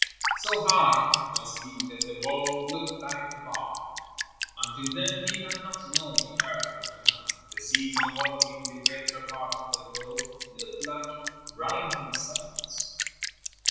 So high was he that the world looked like a ball. Until then he had not known the earth was round. The seas enveloping the greater part of the globe looked like writhing serpents.